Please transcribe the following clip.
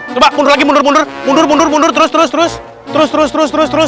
terbahakya lagi mundur mundur mundur mundur mundur terus terus terus terus terus terus terus terus